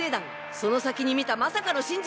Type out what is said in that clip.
その先に見たまさかの真実！